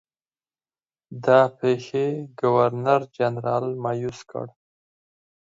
دا پیښې ګورنرجنرال مأیوس کړ.